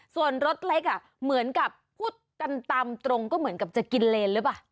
ส่วนรถเล็กเหมือนกับพูดกันตามตรงก็เหมือนกับจะกินเลนหรือเปล่า